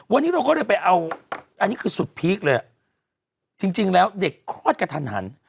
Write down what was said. วันนี้เราก็เลยไปเอาอันนี้คือสุดพีคเลยอ่ะจริงแล้วเด็กคลอดกระทันหัน